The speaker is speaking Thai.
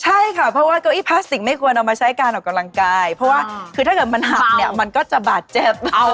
ใช่ค่ะเพราะว่าเก้าอี้พลาสติกไม่ควรเอามาใช้การออกกำลังกายเพราะว่าคือถ้าเกิดมันหักเนี่ยมันก็จะบาดเจ็บ